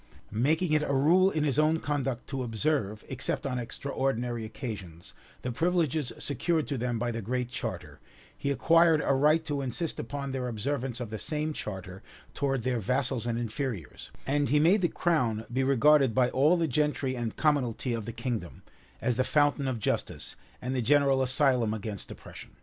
Making it a rule in his own conduct to observe, except on extraordinary occasions, the privileges secured to them by the Great Charter, he acquired a right to insist upon their observance of the same charter towards their vassals and inferiors; and he made the crown be regarded by all the gentry and commonalty of the kingdom, as the fountain of justice, and the general asylum against oppression.